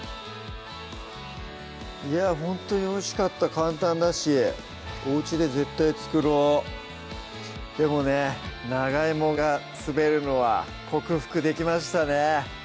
いやほんとにおいしかった簡単だしおうちで絶対作ろうでもね長いもが滑るのは克服できましたね